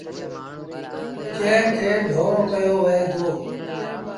جݩهݩ کي ڍورو ڪهيو وهي دو۔